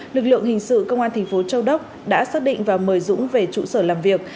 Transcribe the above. lực lượng hình sự công an thành phố châu đốc đã xác định và mời dũng về trụ sở làm việc